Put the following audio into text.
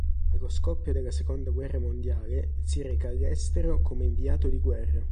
Allo scoppio della Seconda guerra mondiale si reca all'estero come inviato di guerra.